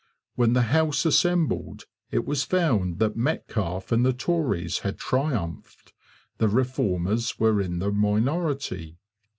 When the House assembled, it was found that Metcalfe and the Tories had triumphed. The Reformers were in the minority.